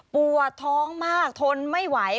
ปวดท้องมากทนไม่ไหว